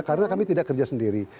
karena kami tidak kerja sendiri